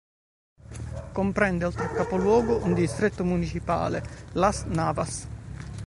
Comprende, oltre al capoluogo, un distretto municipale: Las Navas.